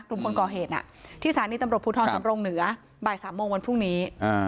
กลุ่มคนก่อเหตุที่สถานีตำรวจภูทรสำรงเหนือบ่าย๓โมงวันพรุ่งนี้